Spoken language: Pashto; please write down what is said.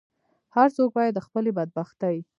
هر څوک باید د خپلې بدبختۍ.